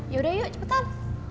yaudah yuk cepetan